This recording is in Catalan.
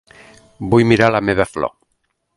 Vull mirar la meva flor.